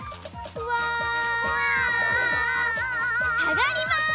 さがります。